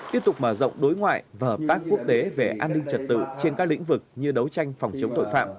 tiếp tục mở rộng đối ngoại và hợp tác quốc tế về an ninh trật tự trên các lĩnh vực như đấu tranh phòng chống tội phạm